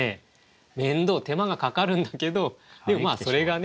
面倒手間がかかるんだけどでもそれがね